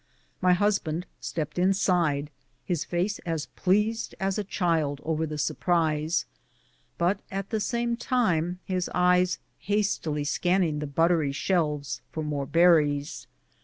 My husband stepped inside, his face as pleased as a child over the surprise, but at the same time his eyes hastily scanning the buttery shelves for more berries.